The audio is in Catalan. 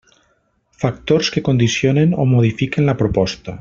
Factors que condicionen o modifiquen la proposta.